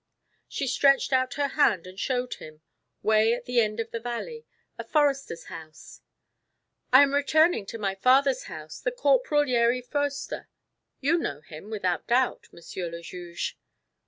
She stretched out her hand and showed him, way at the end of the valley, a forester's house. "I am returning to my father's house, the Corporal Yeri Foerster. You know him, without doubt, Monsieur le Juge."